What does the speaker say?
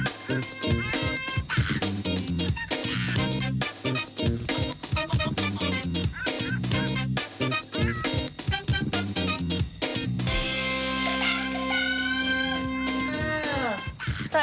กลับมา